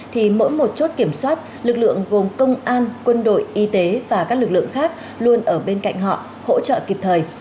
thì mỗi một chốt kiểm soát lực lượng gồm công an quân đội y tế và các lực lượng khác luôn ở bên cạnh họ hỗ trợ kịp thời